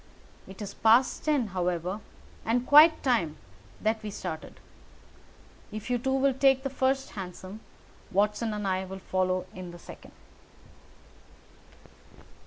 It is past ten, however, and quite time that we started. If you two will take the first hansom, Watson and I will follow in the second."